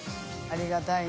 ありがたい。